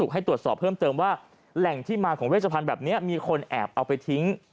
แหล่งที่มาของเวชพันธุ์แบบเนี้ยมีคนแอบเอาไปทิ้ง